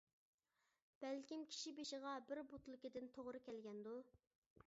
بەلكىم كىشى بېشىغا بىر بوتۇلكىدىن توغرا كەلگەندۇ.